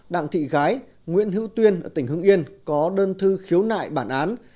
đặng thị gái nguyễn hữu tuyên ở tỉnh hưng yên có đơn thư khiếu nại bản án